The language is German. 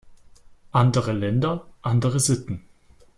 Andere Länder, andere Sitten.